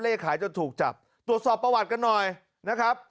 เลขขายจนถูกจับตรวจสอบประวัติกันหน่อยนะครับ